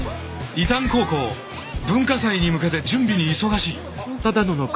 伊旦高校文化祭に向けて準備に忙しい。